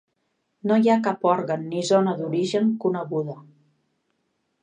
No hi ha cap òrgan ni zona d'origen coneguda.